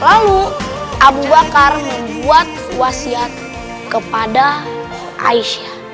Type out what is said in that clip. lalu abu bakar membuat wasiat kepada aisyah